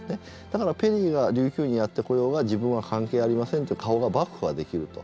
だからペリーが琉球にやってこようが自分は関係ありませんという顔が幕府はできると。